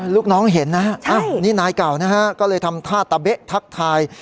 ลูกน้องเห็นนะฮะนี่นายเก่านะฮะก็เลยทำท่าตะเบ๊ะทักทาย